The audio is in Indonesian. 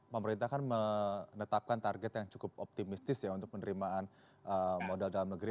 pemerintah kan menetapkan target yang cukup optimistis ya untuk penerimaan modal dalam negeri